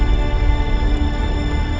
saya akan keluar